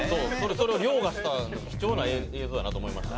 それをりょうがした貴重な映像やなと思いました